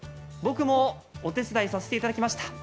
僕もお手伝いさせていただきました。